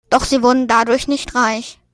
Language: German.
Doch sie wurden dadurch nicht reich.